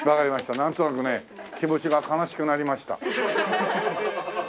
なんとなくね気持ちが悲しくなりました。